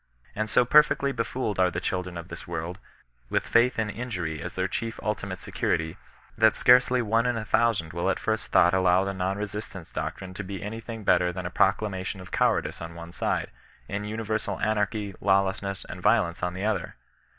And so perfectly befooled are the children of this world, with/aiVA in injury as their chief ultimate security, that scarcely one in a thousand will at first thought allow the non resistance doctrine to be any thing better than a proclamation of cowardice on one side, and universal anarchy, lawlessness, and violence on the other.